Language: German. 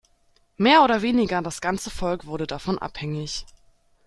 Mehr oder weniger das ganze Volk wurde davon abhängig.